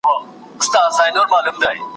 په خوله سپینه فرشته سي په زړه تور لکه ابلیس وي `